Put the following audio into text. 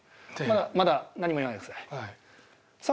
まだ何も言わないでください。